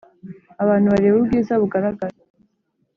Abantu bareba ubwiza bugaragara